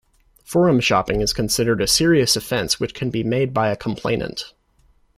Forum shopping is considered a serious offense which can be made by a complainant.